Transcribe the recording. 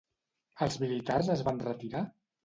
Els militars es van retirar?